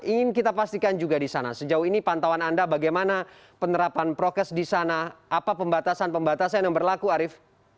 ingin kita pastikan juga di sana sejauh ini pantauan anda bagaimana penerapan prokes di sana apa pembatasan pembatasan yang berlaku arief